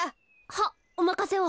はっおまかせを。